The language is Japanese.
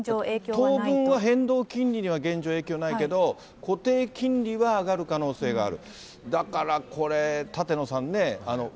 当分は変動金利には現状影響ないけど、固定金利は上がる可能性がある。